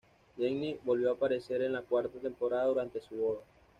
Jenny volvió a aparecer en la cuarta temporada durante su boda.